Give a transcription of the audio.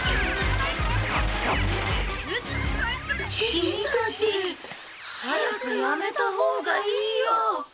キミたち早くやめたほうがいいよ。